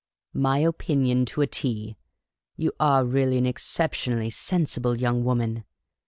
" My opinion to a T ! You are really an exceptionally sensible young woman.